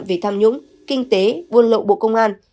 về tham nhũng kinh tế vôn lộ bộ công an